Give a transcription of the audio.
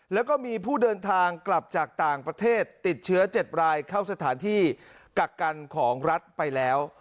แล้วก็มีผู้เดินทางกลับจากต่างประเทศติดเชื้อ๗รายเข้าสถานที่กักกันของรัฐไปแล้ว